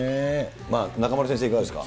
中丸先生、いかがですか。